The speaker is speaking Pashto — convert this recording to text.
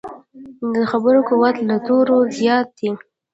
د خبرو قوت له تورو زیات دی.